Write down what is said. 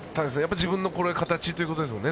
自分の形ということですもんね